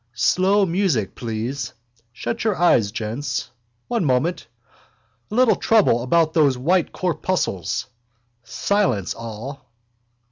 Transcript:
Slow music, please. Shut your eyes, gents. One moment. A little trouble about those white corpuscles. Silence, all.